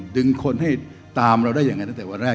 ดึงคนให้ตามเราได้ยังไงตั้งแต่วันแรก